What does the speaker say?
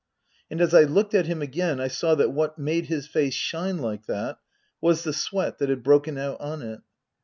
And as I looked at him again I saw that what made his face shine like that was the sweat that had broken out on it.